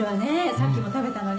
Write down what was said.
さっきも食べたのに。